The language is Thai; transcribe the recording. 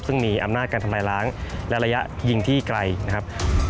ซึ่งมีอำนาจการทำลายล้างและระยะยิงที่ไกลนะครับ